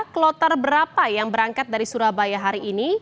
kloter berapa yang berangkat dari surabaya hari ini